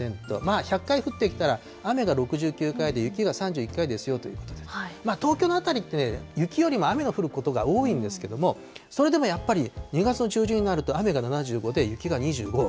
まあ１００回降ってきたら、雨が６９回で、雪が３１回ですよということで、東京の辺りってね、雪よりも雨の降ることが多いんですけれども、それでもやっぱり２月の中旬になると雨が７５で、雪が２５。